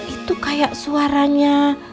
itu kayak suaranya